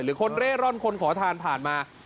คนเร่ร่อนคนขอทานผ่านมา